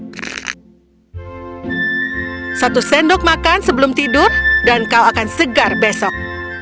kamu harus membeli satu sendok makan sebelum tidur dan kau akan segar besok